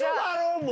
もう。